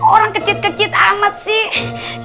orang kecit kecit amat sih